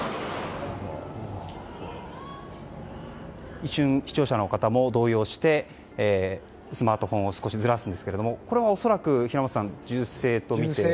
一瞬、視聴者の方も動揺してスマートフォンを少しずらすんですがこれは恐らく、平松さん銃声ということで。